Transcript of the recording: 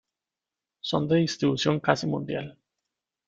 Son de distribución casi mundial.